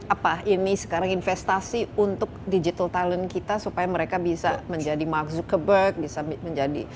apa ini sekarang investasi untuk digital talent kita supaya mereka bisa menjadi mark zuckerberg bisa menjadi